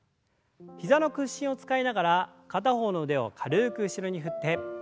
膝の屈伸を使いながら片方の腕を軽く後ろに振って。